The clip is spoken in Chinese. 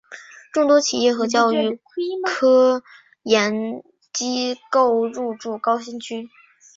众多企业和教育科研机构入驻高新区。